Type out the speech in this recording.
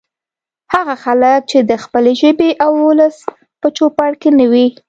هغه خلک چې د خپلې ژبې او ولس په چوپړ کې نه وي